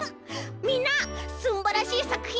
みんなすんばらしいさくひんを。